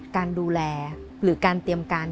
การดูแลหรือการเตรียมการ